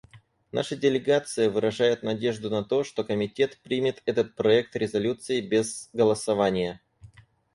Наша делегация выражает надежду на то, что Комитет примет этот проект резолюции без голосования.